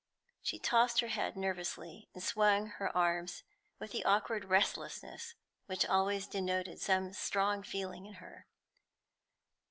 She tossed her head nervously, and swung her arms with the awkward restlessness which always denoted some strong feeling in her.